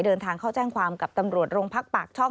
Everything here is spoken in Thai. เดินทางเข้าแจ้งความกับตำรวจโรงพักปากช่อง